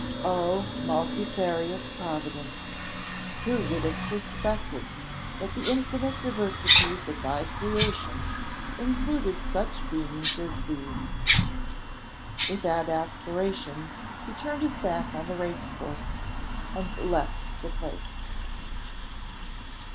Oh, multifarious Providence! who would have suspected that the infinite diversities of thy creation included such beings as these! With that aspiration, he turned his back on the race course, and left the place.